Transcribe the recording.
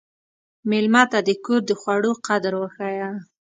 مېلمه ته د کور د خوړو قدر وښیه.